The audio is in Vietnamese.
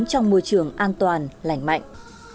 sống trong môi trường an toàn lành mạnh